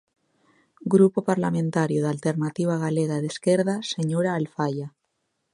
Grupo Parlamentario da Alternativa Galega de Esquerda, señora Alfaia.